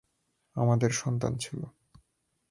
আমাদের সন্তান ছিল।